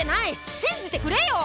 信じてくれよ！